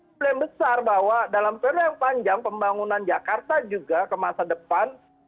klaim besar bahwa dalam periode yang panjang pembangunan jakarta juga ke masa depan